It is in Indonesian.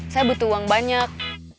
saya butuh uang banyak